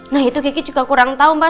nah itu gigi juga kurang tahu mbak